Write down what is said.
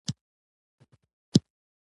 دا کار دې زما خوښ نه شو